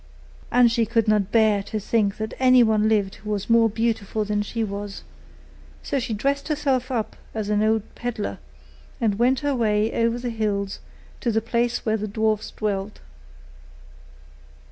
And she could not bear to think that anyone lived who was more beautiful than she was; so she dressed herself up as an old pedlar, and went her way over the hills, to the place where the dwarfs dwelt.